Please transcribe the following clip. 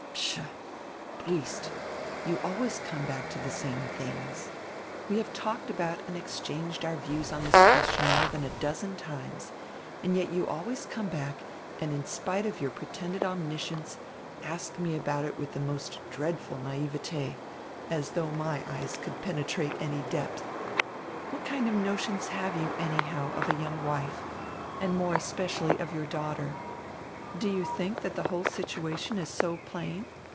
"Pshaw! Briest, you always come back to the same tilings. We have talked about and exchanged our views on this question more than a dozen times, and yet you always come back and, in spite of your pretended omniscience, ask me about it with the most dreadful naivete, as though my eyes could penetrate any depth. What kind of notions have you, anyhow, of a young wife, and more especially of your daughter? Do you think that the whole situation is so plain?